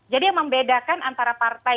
jadi yang membedakan antara partai